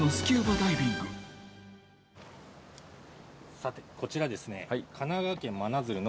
さてこちらですね。